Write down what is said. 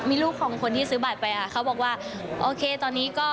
มีลูกของคนที่ซื้อบัตรไปอ่ะเขาบอกว่าโอเคตอนนี้ก็